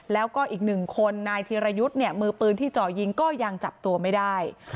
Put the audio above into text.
แล้วก็อีกหนึ่งคนนายธีรยุทธ์เนี่ยมือปืนที่เจาะยิงก็ยังจับตัวไม่ได้